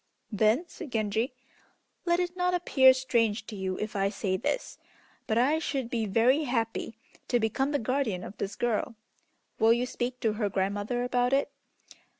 "Then," said Genji, "let it not appear strange to you if I say this, but I should be very happy to become the guardian of this girl. Will you speak to her grandmother about it?